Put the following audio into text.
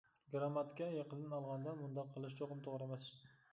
گىرامماتىكا يېقىدىن ئالغاندا مۇنداق قىلىش چوقۇم توغرا ئەمەس.